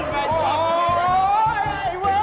เงินนะ